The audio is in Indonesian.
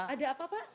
ada apa pak